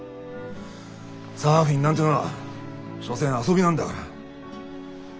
サーフィンなんてのは所詮遊びなんだから。